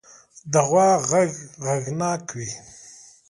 د غوا غږ غږناک وي.